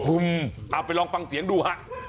เอาไปลองฟังเสียงดูฮะ